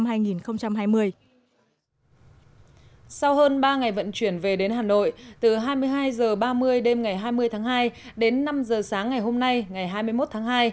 sau hơn ba ngày vận chuyển về đến hà nội từ hai mươi hai h ba mươi đêm ngày hai mươi tháng hai đến năm h sáng ngày hôm nay ngày hai mươi một tháng hai